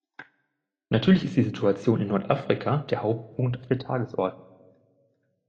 Natürlich ist die Situation in Nordafrika der Hauptpunkt auf der Tagesordnung.